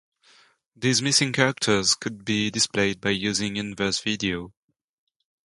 These missing characters could be displayed by using inverse video.